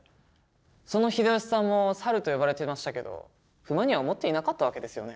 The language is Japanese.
その秀吉さんもサルと呼ばれていましたけど不満には思っていなかったわけですよね？